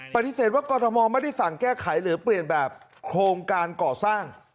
ปฏิเสธว่ากรทมไม่ได้สั่งแก้ไขหรือเปลี่ยนแบบโครงการก่อสร้าง